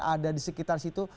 ada di sekitar situ